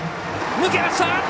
抜けました！